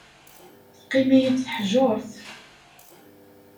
Teqqim-iyi-d teḥjurt.